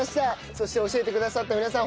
そして教えてくださった皆さん